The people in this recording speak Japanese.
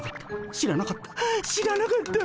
知らなかった。